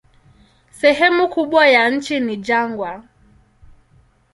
Sehemu kubwa ya nchi ni jangwa.